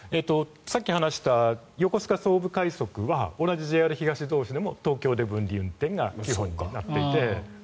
さっき話した横須賀総武快速は同じＪＲ東日本同士でも東京で分離運転が基本になっていて。